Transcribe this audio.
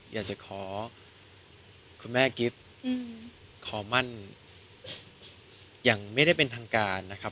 อยากจะขอคุณแม่กิฟต์ขอมั่นอย่างไม่ได้เป็นทางการนะครับ